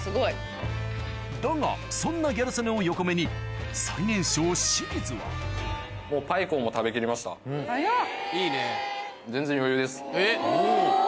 だがそんなギャル曽根を横目に最年少清水は早っ。